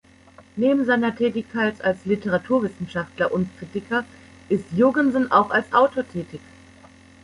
Neben seiner Tätigkeit als Literaturwissenschaftler und Kritiker ist Jurgensen auch als Autor tätig.